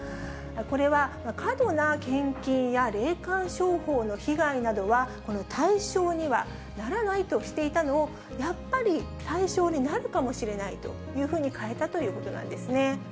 これは過度な献金や霊感商法の被害などは、この対象にはならないとしていたのを、やっぱり対象になるかもしれないというふうに変えたということなんですね。